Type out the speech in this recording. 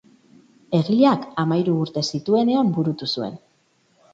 Egileak hamahiru urte zituenean burutu zuen.